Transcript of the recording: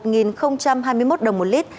giảm một hai mươi một đồng một lít